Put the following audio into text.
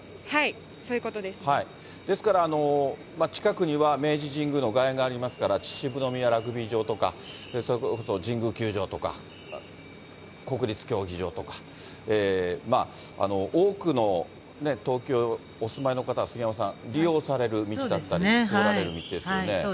ですから、近くには明治神宮の外苑がありますから、秩父宮ラグビー場とか、それこそ神宮球場とか、国立競技場とか、多くの東京にお住まいの方は杉山さん、利用される道だったり、そうですね。